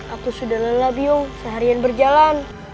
aku sudah lelah bio seharian berjalan